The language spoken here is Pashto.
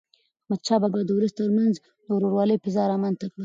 احمدشاه بابا د ولس تر منځ د ورورولی فضا رامنځته کړه.